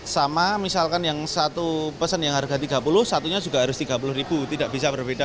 sama misalkan yang satu pesen yang harga rp tiga puluh satunya juga harus rp tiga puluh tidak bisa berbeda